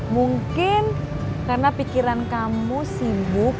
mungkin karena pikiran kamu sibuk